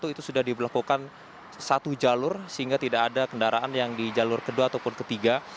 itu sudah diberlakukan satu jalur sehingga tidak ada kendaraan yang di jalur kedua ataupun ketiga